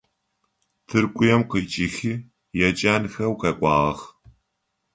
Тыркуем къикIыхи еджэнхэу къэкIуагъэх.